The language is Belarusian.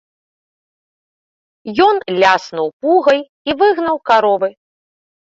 Ён ляснуў пугай і выгнаў каровы.